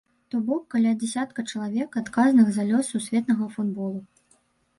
То бок, каля дзясятка чалавек, адказных за лёс сусветнага футбола.